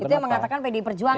itu yang mengatakan pdi perjuangan